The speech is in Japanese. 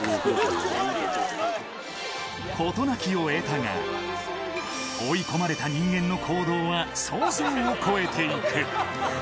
事なきを得たが、追い込まれた人間の行動は想像を超えていく。